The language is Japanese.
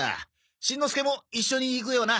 しんのすけも一緒に行くよな。